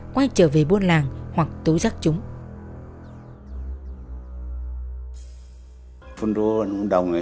quay trở về buôn làng hoặc tố giác chúng